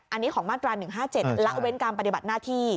อันนี้ของมาตรา๑๕๗ละเว้นการปฏิบัติหน้าที่